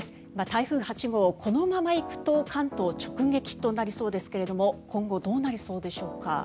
台風８号、このままいくと関東直撃となりそうですが今後、どうなりそうでしょうか。